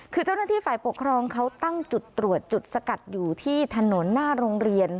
คือเจ้าหน้าที่ฝ่ายปกครองเขาตั้งจุดตรวจจุดสกัดอยู่ที่ถนนหน้าโรงเรียน